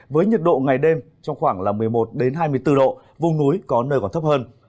với nhiệt độ ngày đêm trong khoảng một mươi một hai mươi bốn độ vùng núi có nơi còn thấp hơn